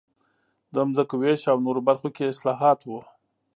د ځمکو وېش او نورو برخو کې اصلاحات و